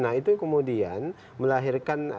nah itu kemudian melahirkan